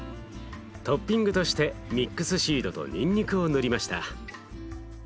トッピングとしてミックスシードとニンニクを塗りました。